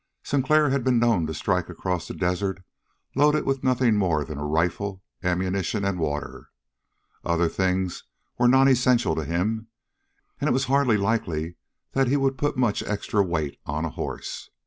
Sinclair had been known to strike across the desert loaded with nothing more than a rifle, ammunition, and water. Other things were nonessentials to him, and it was hardly likely that he would put much extra weight on a horse.